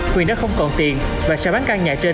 quyền đã không còn tiền và sẽ bán căn nhà trên